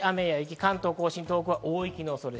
関東甲信、東北は大雪の可能性。